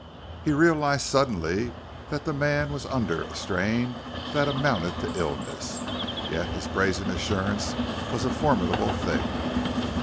He realized suddenly that the man was under a strain that amounted to illness. Yet his brazen assurance was a formidable thing.